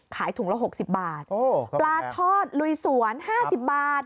ขายถุงละ๖๐บาทปลาทอดลุยสวน๕๐บาท